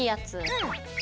うん。